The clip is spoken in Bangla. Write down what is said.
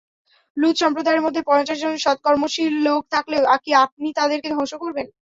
লূত সম্প্রদায়ের মধ্যে পঞ্চাশজন সৎকর্মশীল লোক থাকলেও কি আপনি তাদেরকে ধ্বংস করবেন?